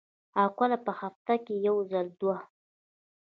او کله پۀ هفته کښې یو ځل دوه ـ